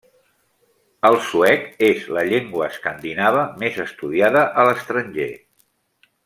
El suec és la llengua escandinava més estudiada a l'estranger.